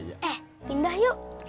eh pindah yuk